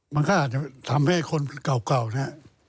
มันก็อาจจะทำให้คนเก่าเนี่ย